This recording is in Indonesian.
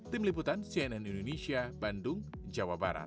tim liputan cnn indonesia bandung jawa barat